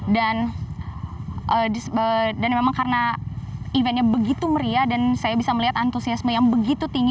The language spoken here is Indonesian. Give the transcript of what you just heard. dan memang karena eventnya begitu meriah dan saya bisa melihat antusiasme yang begitu tinggi